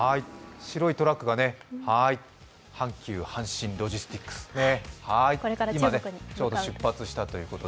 白いトラックが、阪急阪神ロジスティックス、出発したということで。